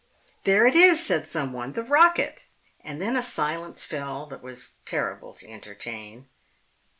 "There it is!" said someone. "The rocket." And then a silence fell that was terrible to entertain.